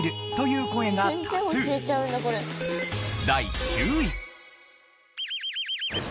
第９位。